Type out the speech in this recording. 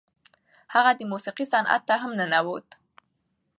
هغه د موسیقۍ صنعت ته هم ننوت.